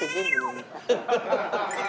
ハハハハ！